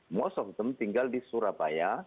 most of them tinggal di surabaya